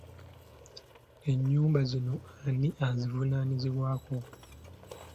Ennyumba zino ani azivunaanyizibwako?